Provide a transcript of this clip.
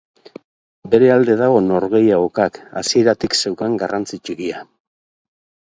Bere alde dago norgehiagokak hasieratik zeukan garrantzi txikia.